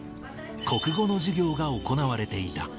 国語の授業が行われていた。